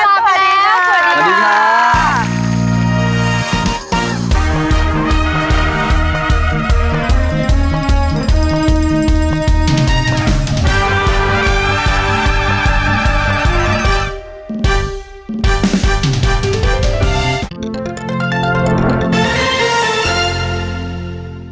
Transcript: สวัสดีค่ะ